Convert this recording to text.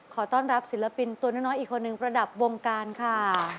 ขอต้อนรับศิลปินตัวน้อยอีกคนหนึ่งประดับวงการค่ะ